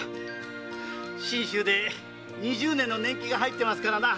信州で二十年の年期が入っていますから。